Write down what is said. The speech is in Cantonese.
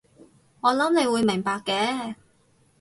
我諗你會明白嘅